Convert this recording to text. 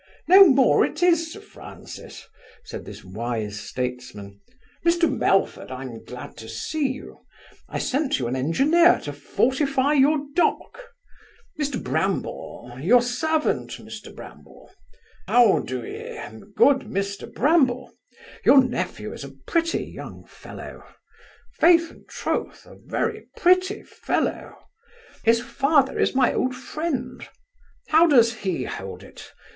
no more it is Sir Francis (said this wise statesman) Mr Melford, I'm glad to see you I sent you an engineer to fortify your dock Mr Bramble your servant, Mr Bramble How d'ye, good Mr Bramble? Your nephew is a pretty young fellow Faith and troth, a very pretty fellow! His father is my old friend How does he hold it?